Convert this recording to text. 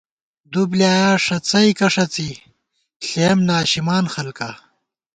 دُو بۡلیایا ݭَڅَئیکہ ݭَڅی ݪېیَم ناشِمان خلکا